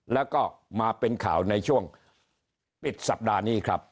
แล้วก็มาเป็นข่าวในช่วงปิดสัปดาห์นี้ครับ